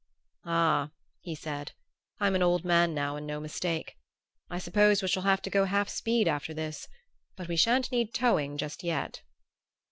"Ah," he said, "I'm an old man now and no mistake. I suppose we shall have to go half speed after this; but we shan't need towing just yet!"